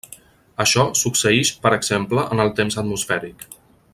Això succeïx per exemple en el temps atmosfèric.